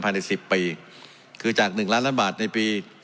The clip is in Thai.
ภายในสิบปีคือจากหนึ่งล้านล้านบาทในปี